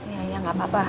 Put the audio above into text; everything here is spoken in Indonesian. ya ya gak apa apa